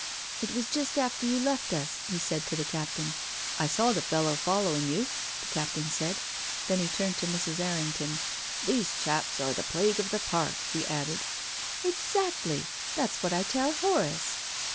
" It was just after you left us," he said to the Captain. " I saw the fellow following you," the Captain said. Then he turned to Mrs. Errington. " These chaps are the plague of the Park," he added. " Exactly. That is what I tell Horace."